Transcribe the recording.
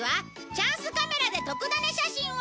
チャンスカメラで特ダネ写真を！